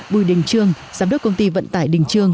bùi đình trương giám đốc công ty vận tải đình trương